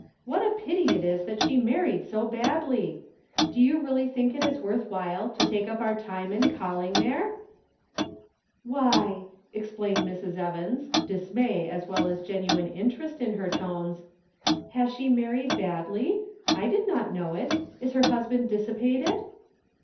What a pity it is that she married so badly ! Do you really think it is worth while to take up our time in calling there ?"" Why !" exclaimed Mrs. Evans, dismay* as well as genuine interest in her tones. " Has she married badly ? I did not know it. Is her hus band dissipated